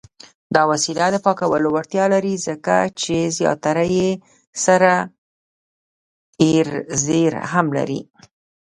دا وسیله د پاکولو وړتیا لري، ځکه چې زیاتره یې سره ایریزر هم لري.